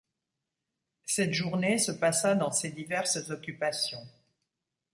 Cette journée se passa dans ces diverses occupations.